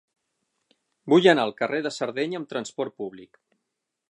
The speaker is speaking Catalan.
Vull anar al carrer de Sardenya amb trasport públic.